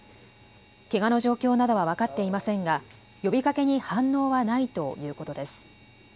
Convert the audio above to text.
けがの状況などは分かっていませんが呼びかけに反応はないということです。